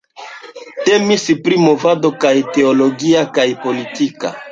Temis pri movado kaj teologia kaj politika.